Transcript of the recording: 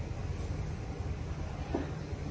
สวัสดีครับ